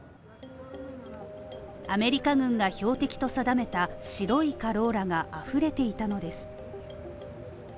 アメリカ軍が標的と定めた白いカローラがあふれていたのです。